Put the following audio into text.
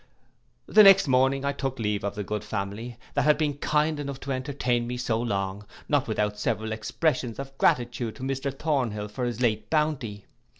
The next morning I took leave of the good family, that had been kind enough to entertain me so long, not without several expressions of gratitude to Mr Thornhill for his late bounty.